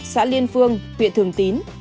xã liên phương huyện thường tín